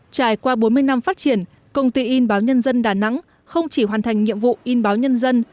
trải qua bốn mươi năm phát triển công ty in báo nhân dân đà nẵng không chỉ hoàn thành nhiệm vụ in báo nhân dân